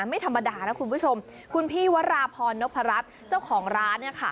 ไม่ธรรมดานะคุณผู้ชมคุณพี่วราพรนพรัชเจ้าของร้านเนี่ยค่ะ